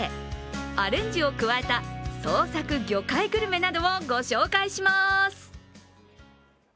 アレンジを加えた創作魚介グルメなどをご紹介します。